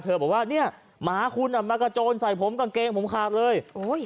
บอกว่าเนี่ยหมาคุณอ่ะมากระโจนใส่ผมกางเกงผมขาดเลยโอ้ย